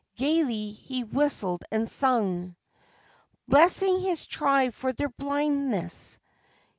Gaily he whistled and sung, Blessing his tribe for their blindness.